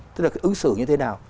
tức là cái ứng xử như thế nào